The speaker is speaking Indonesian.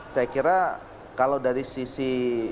saya kira kalau dari sisi